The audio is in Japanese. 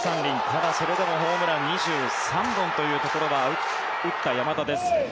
ただ、それでもホームラン２３本というところは打った山田です。